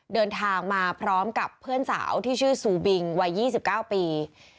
เดินทางมาพร้อมกับเพื่อนสาวที่ชื่อซูบิงวัย๒๙ปี